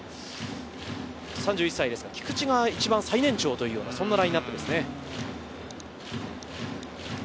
３１歳ですが、菊池が最年長というラインアップです。